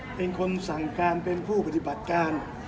เป็นคนสั่งการเป็นผู้ปฏิบัติการ